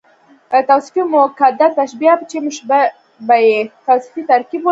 توصيفي مؤکده تشبیه، چي مشبه به ئې توصیفي ترکيب ولري.